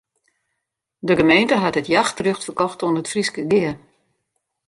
De gemeente hat it jachtrjocht ferkocht oan it Fryske Gea.